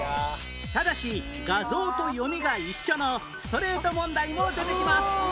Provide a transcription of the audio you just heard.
ただし画像と読みが一緒のストレート問題も出てきます